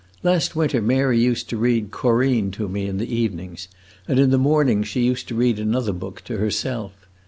Last winter Mary used to read 'Corinne' to me in the evenings, and in the mornings she used to read another book, to herself.